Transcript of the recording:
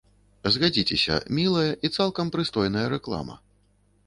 Згадзіцеся, мілая і цалкам прыстойная рэклама.